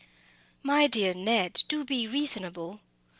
"My dear Ned, do be reasonable!